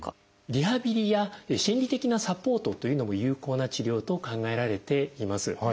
リハビリや心理的なサポートというのも有効な治療と考えられています。